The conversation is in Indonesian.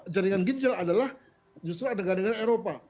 jaringan ginjal adalah justru negara negara eropa